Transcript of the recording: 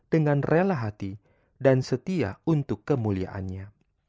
dengan rela hati dan setia untuk kemuliaannya